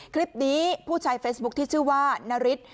คลิปนี้ผู้ใช้เฟซบุ๊คที่ชื่อว่านาริส